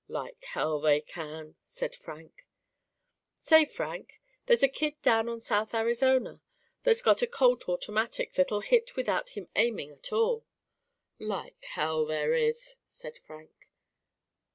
'Like hell they can,' said Frank. 'Say Frank, there's a kid down on South Arizona that's got a Colt automatic that'll hit without him aiming at all.' 'Like hell there is,' said Frank.